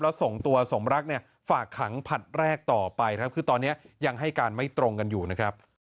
แล้วส่งตัวสมรักเนี่ยฝากขังผลัดแรกต่อไปครับคือตอนนี้ยังให้การไม่ตรงกันอยู่นะครับ